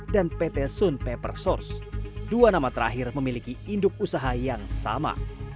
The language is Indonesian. dua nama terakhir memiliki induk usaha yang sama